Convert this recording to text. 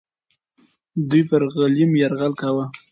دوی پر غلیم یرغل کاوه.